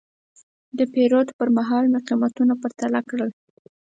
د پیرود پر مهال مې قیمتونه پرتله کړل.